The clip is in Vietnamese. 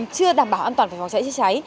chưa đảm bảo an toàn về phòng cháy cháy